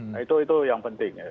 nah itu yang penting ya